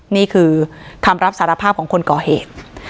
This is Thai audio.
นี่คือคำรับสารภาพของคนก่อเหตุ